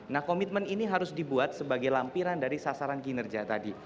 nah komitmen ini harus dibuat sebagai lampiran dari sasaran kinerja tadi